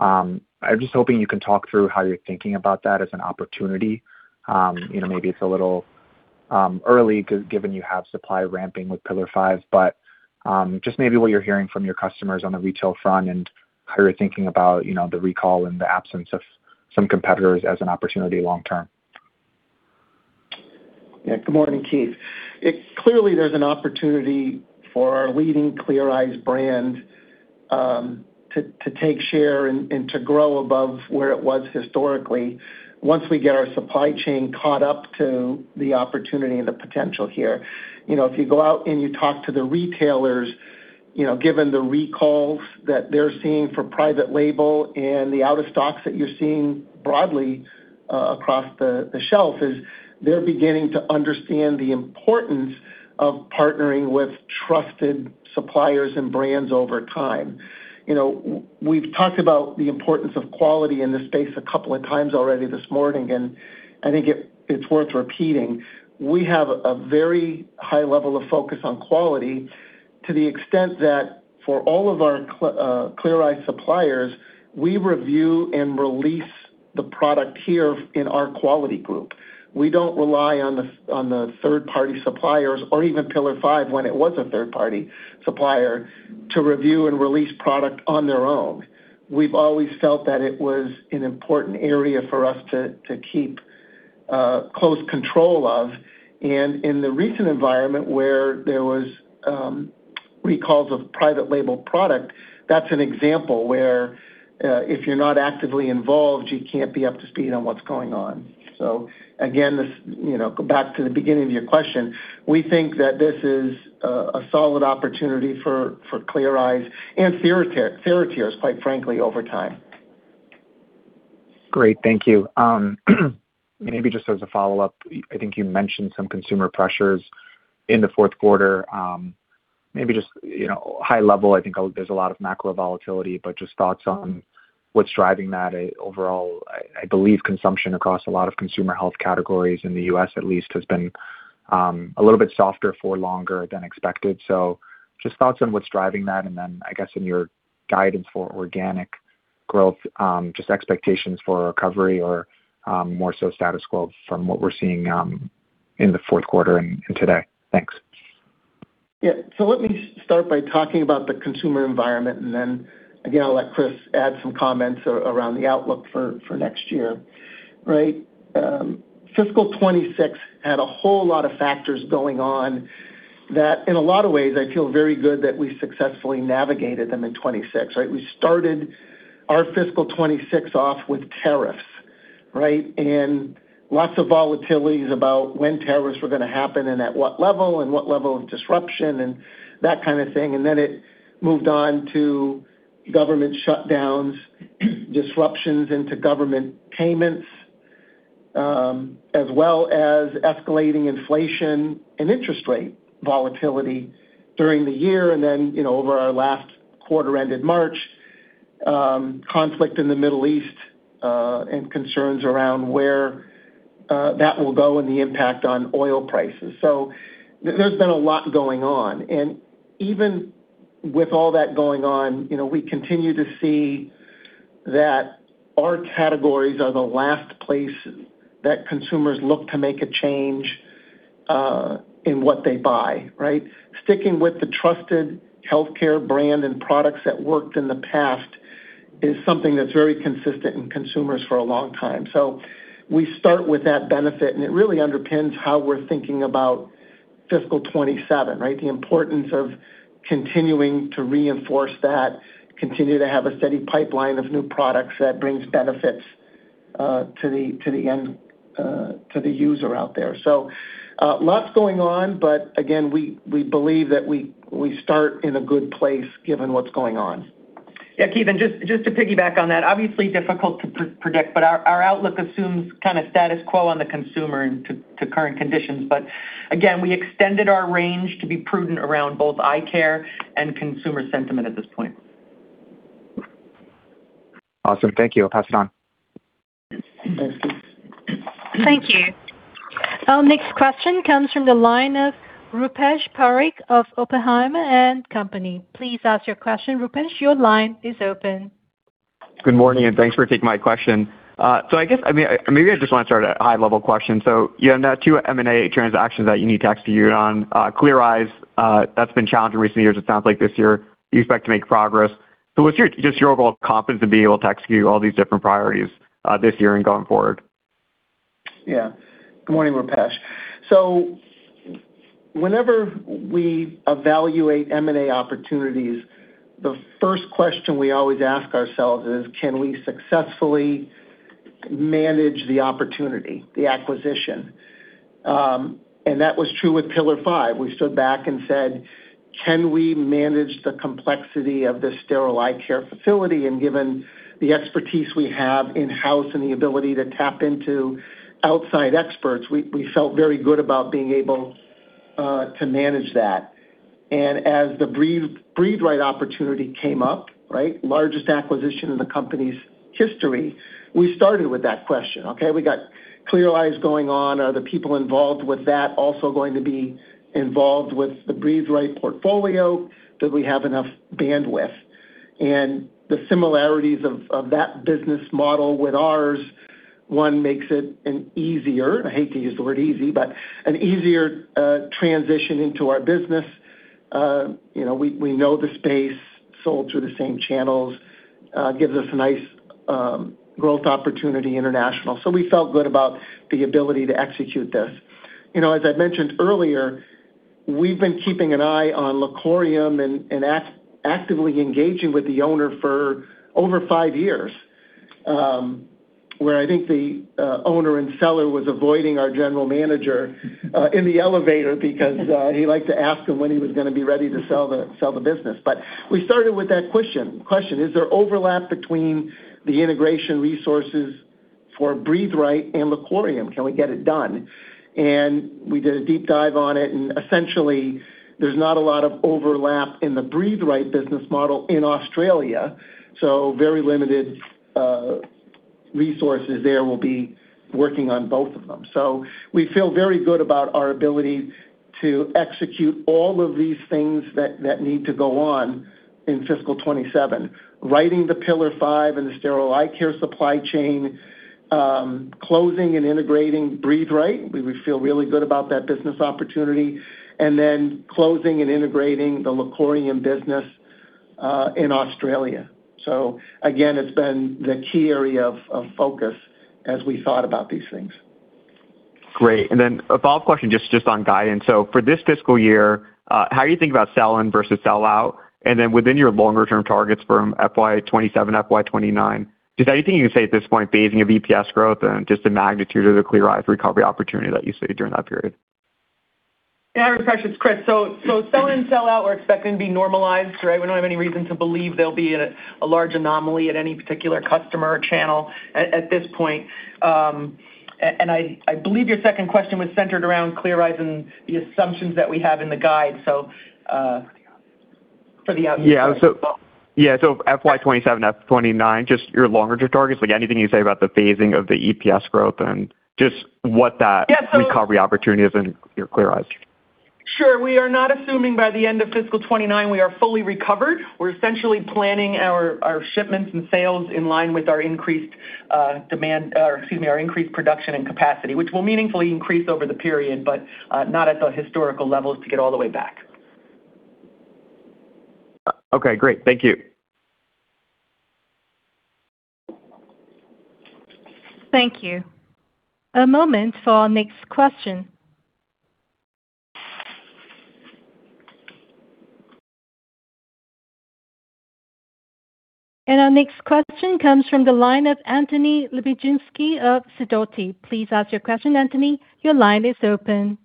[SPEAKER 7] I'm just hoping you can talk through how you're thinking about that as an opportunity. You know, maybe it's a little early given you have supply ramping with Pillar5. Just maybe what you're hearing from your customers on the retail front and how you're thinking about, you know, the recall and the absence of some competitors as an opportunity long term.
[SPEAKER 3] Good morning, Keith. Clearly, there's an opportunity for our leading Clear Eyes brand to take share and to grow above where it was historically once we get our supply chain caught up to the opportunity and the potential here. You know, if you go out and you talk to the retailers, you know, given the recalls that they're seeing for private label and the out of stocks that you're seeing broadly across the shelf, they're beginning to understand the importance of partnering with trusted suppliers and brands over time. You know, we've talked about the importance of quality in this space a couple of times already this morning, and I think it's worth repeating. We have a very high level of focus on quality to the extent that for all of our Clear Eyes suppliers, we review and release the product here in our quality group. We don't rely on the third-party suppliers or even Pillar5 when it was a third-party supplier to review and release product on their own. We've always felt that it was an important area for us to keep close control of. In the recent environment where there was recalls of private label product, that's an example where if you're not actively involved, you can't be up to speed on what's going on. Again, this, you know, go back to the beginning of your question. We think that this is a solid opportunity for Clear Eyes and TheraTears, quite frankly, over time.
[SPEAKER 7] Great. Thank you. Maybe just as a follow-up, I think you mentioned some consumer pressures in the fourth quarter. Maybe just, you know, high level, I think there's a lot of macro volatility, but just thoughts on what's driving that overall. I believe consumption across a lot of consumer health categories in the U.S. at least has been a little bit softer for longer than expected. Just thoughts on what's driving that. I guess in your guidance for organic growth, just expectations for recovery or more so status quo from what we're seeing in the fourth quarter and today. Thanks.
[SPEAKER 3] Yeah. Let me start by talking about the consumer environment, and then again, I'll let Chris add some comments around the outlook for next year. Right. Fiscal 2026 had a whole lot of factors going on that in a lot of ways, I feel very good that we successfully navigated them in 2026, right? We started our fiscal 2026 off with tariffs, right? Lots of volatilities about when tariffs were going to happen and at what level and what level of disruption and that kind of thing. It moved on to government shutdowns, disruptions into government payments, as well as escalating inflation and interest rate volatility during the year. You know, over our last quarter ended March, conflict in the Middle East, and concerns around where that will go and the impact on oil prices. There's been a lot going on. Even with all that going on, you know, we continue to see that our categories are the last place that consumers look to make a change in what they buy, right? Sticking with the trusted healthcare brand and products that worked in the past is something that's very consistent in consumers for a long time. We start with that benefit, and it really underpins how we're thinking about fiscal 2027, right? The importance of continuing to reinforce that, continue to have a steady pipeline of new products that brings benefits to the user out there. Lots going on, but again, we believe that we start in a good place given what's going on.
[SPEAKER 4] Yeah, Keith, just to piggyback on that, obviously difficult to predict, but our outlook assumes kind of status quo on the consumer and to current conditions. Again, we extended our range to be prudent around both eye care and consumer sentiment at this point.
[SPEAKER 7] Awesome. Thank you. I'll pass it on.
[SPEAKER 1] Thank you. Our next question comes from the line of Rupesh Parikh of Oppenheimer and Company. Please ask your question. Rupesh, your line is open.
[SPEAKER 8] Good morning, and thanks for taking my question. I guess, I mean, maybe I just wanna start at a high-level question. You have now two M&A transactions that you need to execute on. Clear Eyes, that's been challenging in recent years. It sounds like this year you expect to make progress. Just your overall confidence in being able to execute all these different priorities this year and going forward?
[SPEAKER 3] Yeah. Good morning, Rupesh. Whenever we evaluate M&A opportunities, the first question we always ask ourselves is, can we successfully manage the opportunity, the acquisition? That was true with Pillar5. We stood back and said, "Can we manage the complexity of this sterile eye care facility?" Given the expertise we have in-house and the ability to tap into outside experts, we felt very good about being able to manage that. As the Breathe Right opportunity came up, right, largest acquisition in the company's history, we started with that question. Okay, we got Clear Eyes going on. Are the people involved with that also going to be involved with the Breathe Right portfolio? Do we have enough bandwidth? The similarities of that business model with ours, one, makes it an easier, I hate to use the word easy, but an easier transition into our business. You know, we know the space, sold through the same channels, gives us a nice growth opportunity international. We felt good about the ability to execute this. You know, as I mentioned earlier, we've been keeping an eye on LaCorium Health and actively engaging with the owner for over five years, where I think the owner and seller was avoiding our general manager in the elevator because he liked to ask him when he was gonna be ready to sell the business. We started with that question: Is there overlap between the integration resources for Breathe Right and LaCorium? Can we get it done? We did a deep dive on it, and essentially, there's not a lot of overlap in the Breathe Right business model in Australia, so very limited resources there will be working on both of them. We feel very good about our ability to execute all of these things that need to go on in fiscal 2027. Righting the Pillar5 and the sterile eye care supply chain, closing and integrating Breathe Right. We feel really good about that business opportunity. Closing and integrating the LaCorium business in Australia. Again, it's been the key area of focus as we thought about these things.
[SPEAKER 8] Great. A follow-up question just on guidance. For this fiscal year, how are you thinking about sell-in versus sell-out? Within your longer term targets from FY 2027, FY 2029, is there anything you can say at this point phasing of EPS growth and just the magnitude of the Clear Eyes recovery opportunity that you see during that period?
[SPEAKER 4] Yeah, Rupesh, it's Chris. Sell-in, sell-out, we're expecting to be normalized, right? We don't have any reason to believe there'll be a large anomaly at any particular customer or channel at this point. I believe your second question was centered around Clear Eyes and the assumptions that we have in the guide.
[SPEAKER 3] For the out years.
[SPEAKER 4] For the out years.
[SPEAKER 8] Yeah. Yeah. FY 2027, FY 2029, just your longer term targets. Like, anything you can say about the phasing of the EPS growth-
[SPEAKER 4] Yeah, so-
[SPEAKER 8] ...recovery opportunity is in your Clear Eyes?
[SPEAKER 4] Sure. We are not assuming by the end of fiscal 2029 we are fully recovered. We're essentially planning our shipments and sales in line with our increased production and capacity, which will meaningfully increase over the period, but not at the historical levels to get all the way back.
[SPEAKER 8] Okay, great. Thank you.
[SPEAKER 1] Thank you. A moment for our next question. Our next question comes from the line of Anthony Lebiedzinski of Sidoti. Please ask your question, Anthony. Your line is open.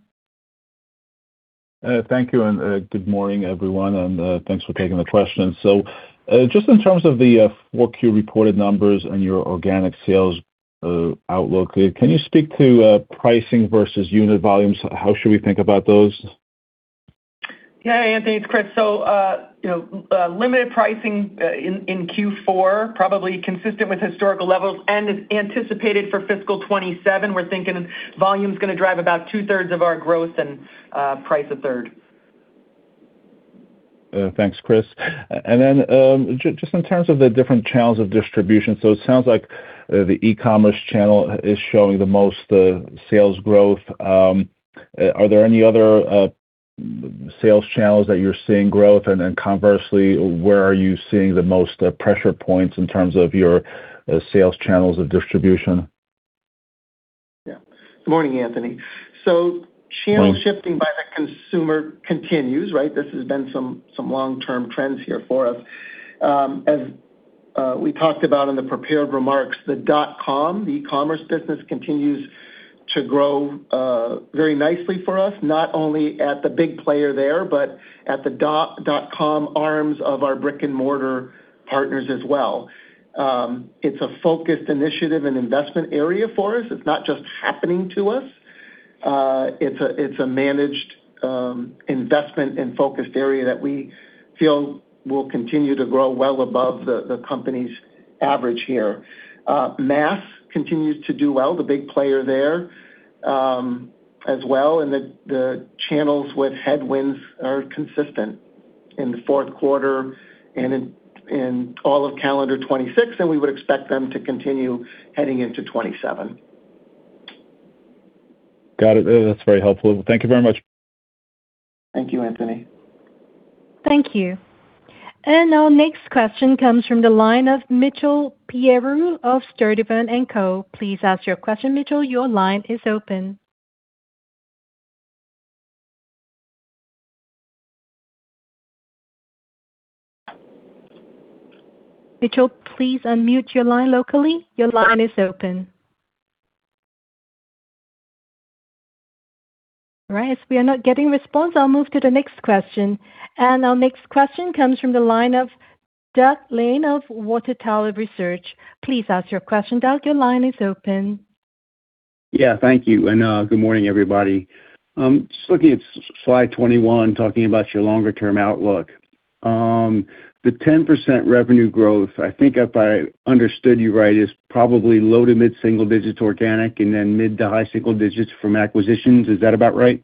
[SPEAKER 9] Thank you and good morning, everyone, and thanks for taking the question. Just in terms of the 4Q reported numbers and your organic sales outlook, can you speak to pricing versus unit volumes? How should we think about those?
[SPEAKER 4] Anthony, it's Chris. You know, limited pricing in Q4, probably consistent with historical levels and is anticipated for fiscal 2027. We're thinking volume's gonna drive about 2/3 of our growth and price 1/3.
[SPEAKER 9] Thanks, Chris. Just in terms of the different channels of distribution, it sounds like the e-commerce channel is showing the most sales growth. Are there any other sales channels that you're seeing growth? Conversely, where are you seeing the most pressure points in terms of your sales channels of distribution?
[SPEAKER 3] Yeah. Good morning, Anthony.
[SPEAKER 9] Morning.
[SPEAKER 3] Channel shifting by the consumer continues, right? This has been some long-term trends here for us. As we talked about in the prepared remarks, the dot-com, the e-commerce business continues to grow very nicely for us, not only at the big player there, but at the dot-com arms of our brick-and-mortar partners as well. It's a focused initiative and investment area for us. It's not just happening to us. It's a managed investment and focused area that we feel will continue to grow well above the company's average here. Mass continues to do well, the big player there, as well, and the channels with headwinds are consistent in the fourth quarter and in all of calendar 2026, and we would expect them to continue heading into 2027.
[SPEAKER 9] Got it. That's very helpful. Thank you very much.
[SPEAKER 3] Thank you, Anthony.
[SPEAKER 1] Thank you. Our next question comes from the line of Mitchell Pinheiro of Sturdivant & Co. Please ask your question, Mitchell. Mitchell, please unmute your line locally. All right, as we are not getting a response, I'll move to the next question. Our next question comes from the line of Doug Lane of Water Tower Research. Please ask your question, Doug.
[SPEAKER 10] Yeah, thank you, good morning, everybody. Just looking at slide 21, talking about your longer term outlook. The 10% revenue growth, I think if I understood you right, is probably low to mid-single digits organic and then mid to high single digits from acquisitions. Is that about right?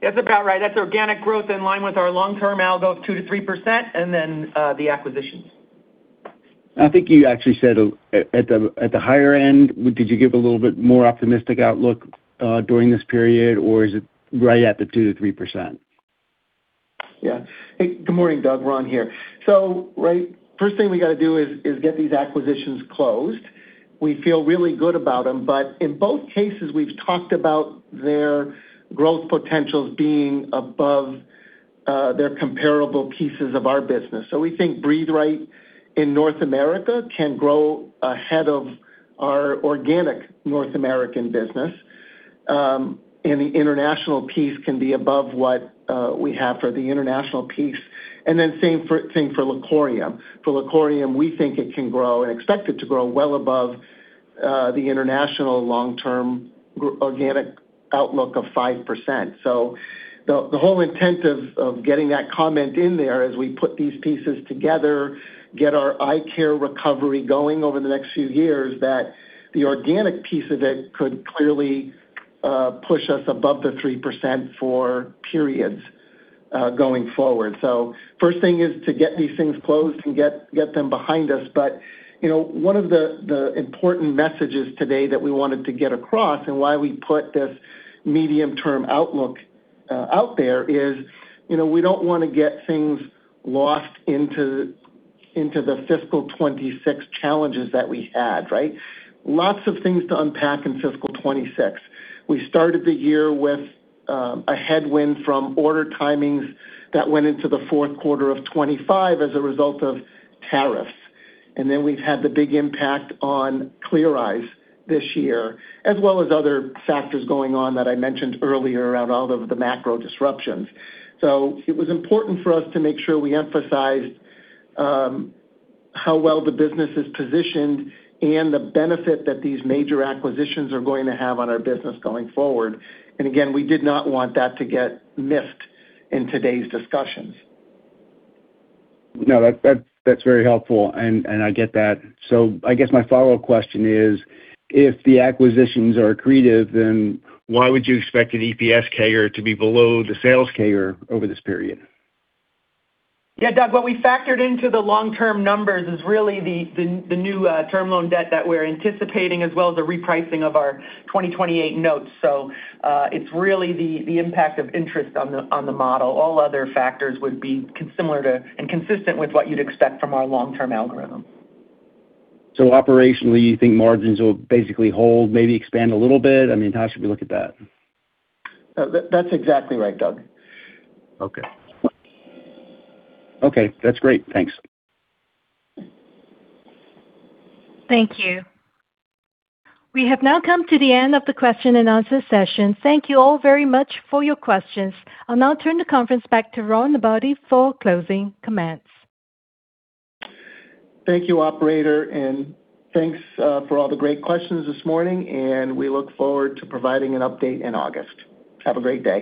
[SPEAKER 4] That's about right. That's organic growth in line with our long-term algo of 2%-3%, and then, the acquisitions.
[SPEAKER 10] I think you actually said, at the higher end. Did you give a little bit more optimistic outlook, during this period, or is it right at the 2%-3%?
[SPEAKER 3] Yeah. Hey, good morning, Doug. Ron here. right, first thing we gotta do is get these acquisitions closed. We feel really good about them, but in both cases, we've talked about their growth potentials being above their comparable pieces of our business. we think Breathe Right in North America can grow ahead of our organic North American business, and the international piece can be above what we have for the international piece. same for LaCorium. For LaCorium, we think it can grow and expect it to grow well above the international long-term organic outlook of 5%. The whole intent of getting that comment in there as we put these pieces together, get our eye care recovery going over the next few years, that the organic piece of it could clearly push us above the 3% for periods going forward. First thing is to get these things closed and get them behind us. You know, one of the important messages today that we wanted to get across and why we put this medium-term outlook out there is, you know, we don't wanna get things lost into the fiscal 2026 challenges that we had, right? Lots of things to unpack in fiscal 2026. We started the year with a headwind from order timings that went into the fourth quarter of 2025 as a result of tariffs. We've had the big impact on Clear Eyes this year, as well as other factors going on that I mentioned earlier around all of the macro disruptions. It was important for us to make sure we emphasized how well the business is positioned and the benefit that these major acquisitions are going to have on our business going forward. We did not want that to get missed in today's discussions.
[SPEAKER 10] That's very helpful, and I get that. I guess my follow-up question is, if the acquisitions are accretive, then why would you expect an EPS CAGR to be below the sales CAGR over this period?
[SPEAKER 4] Yeah, Doug, what we factored into the long-term numbers is really the new term loan debt that we're anticipating as well as the repricing of our 2028 notes. It's really the impact of interest on the model. All other factors would be similar to and consistent with what you'd expect from our long-term algorithm.
[SPEAKER 10] Operationally, you think margins will basically hold, maybe expand a little bit? I mean, how should we look at that?
[SPEAKER 3] That's exactly right, Doug.
[SPEAKER 10] Okay. Okay, that's great. Thanks.
[SPEAKER 1] Thank you. We have now come to the end of the question-and-answer session. Thank you all very much for your questions. I'll now turn the conference back to Ron Lombardi for closing comments.
[SPEAKER 3] Thank you, operator, and thanks for all the great questions this morning. We look forward to providing an update in August. Have a great day.